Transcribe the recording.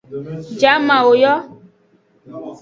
Jamawo yo.